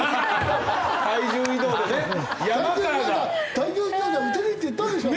体重移動じゃ打てねえって言ったでしょ！